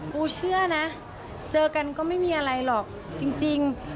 ปูเชื่อนะเจอกันก็ไม่มีอะไรหรอกจริง